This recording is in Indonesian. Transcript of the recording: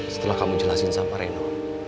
setelah kamu jelasin sama reno